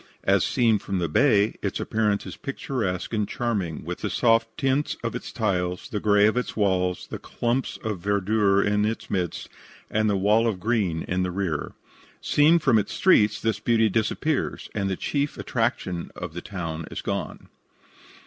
As seen from the bay, its appearance is picturesque and charming, with the soft tints of its tiles, the grey of its walls, the clumps of verdure in its midst, and the wall of green in the rear. Seen from its streets this beauty disappears, and the chief attraction of the town is gone.